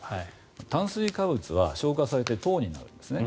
炭水化物は消化されて糖になるんですね。